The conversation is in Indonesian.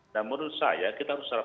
nah menurut saya kita harus